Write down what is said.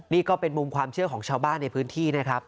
นี่ก็เป็นมุมความเชื่อของชาวบ้านในพื้นที่นะครับ